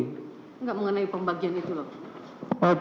enggak mengenai pembagian itu lho